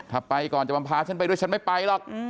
ถ้าไปก่อนจะมาพาฉันไปด้วยฉันไม่ไปหรอก